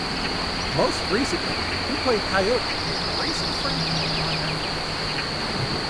Most recently, he played Coyote in "Grace and Frankie" on Netflix.